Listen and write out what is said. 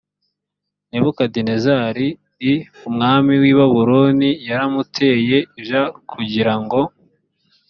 nebukadinezari i umwami w i babuloni yaramuteye j kugira ngo